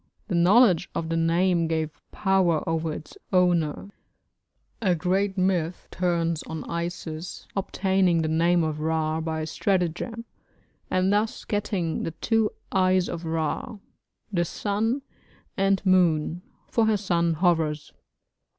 The knowledge of the name gave power over its owner; a great myth turns on Isis obtaining the name of Ra by stratagem, and thus getting the two eyes of Ra the sun and moon for her son Horus.